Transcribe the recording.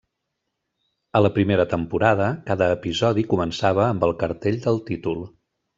A la primera temporada, cada episodi començava amb el cartell del títol.